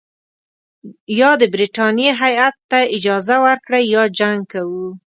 یا د برټانیې هیات ته اجازه ورکړئ یا جنګ کوو.